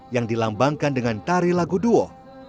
yang dilambangkan dengan tari lagu duo